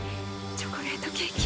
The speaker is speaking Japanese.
チョコレートケーキ